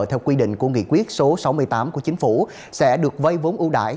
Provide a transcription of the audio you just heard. theo quy định của nghị quyết số sáu mươi tám của chính phủ sẽ được vây vốn ưu đải